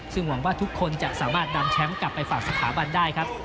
ซึ่งหวังว่าทุกคนจะสามารถนำแชมป์กลับไปฝากสถาบันได้ครับ